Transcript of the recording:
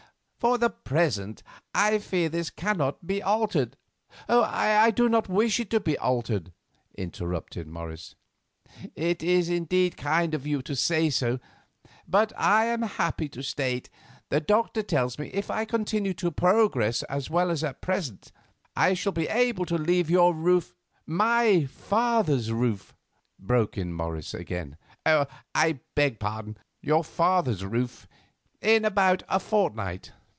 For the present I fear this cannot be altered——" "I do not wish it altered," interrupted Morris. "It is indeed kind of you to say so, but I am happy to state the doctor tells me if I continue to progress as well as at present, I shall be able to leave your roof——" "My father's roof," broke in Morris again. "I beg pardon—your father's roof—in about a fortnight."